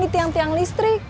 di tiang tiang listrik